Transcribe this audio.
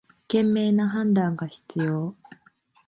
賢明な判断が必要